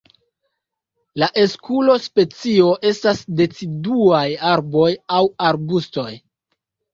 La Eskulo-specioj estas deciduaj arboj aŭ arbustoj.